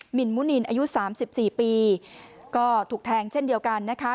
หินมุนินอายุ๓๔ปีก็ถูกแทงเช่นเดียวกันนะคะ